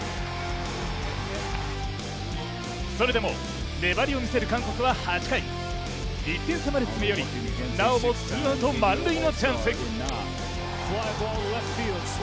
それでも粘りを見せる韓国は８回１点差まで詰め寄り、なおもツーアウト満塁のチャンス。